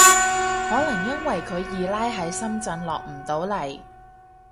可能因為佢二奶喺深圳落唔到嚟